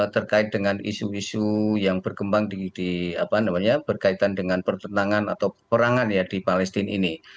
terkait dengan isu isu yang berkembang di apa namanya berkaitan dengan pertentangan atau perangan ya di palestine ini